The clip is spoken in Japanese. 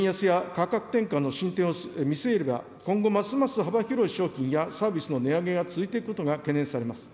円安や価格転嫁のが、今後ますます幅広い商品やサービスの値上げが続いていくことが懸念されます。